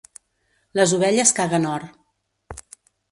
Les ovelles caguen or.